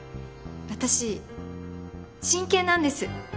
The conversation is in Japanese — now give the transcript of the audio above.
私真剣なんです。